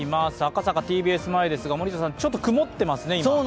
赤坂ＴＢＳ前ですが、ちょっと今曇ってますね。